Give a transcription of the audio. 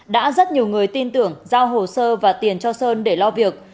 đã rất nhiều người tin tưởng giao hồ sơ và tiền cho sơn để lo việc